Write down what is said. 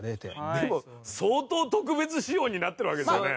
でも相当、特別仕様になってるわけですよね。